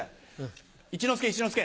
一之輔一之輔。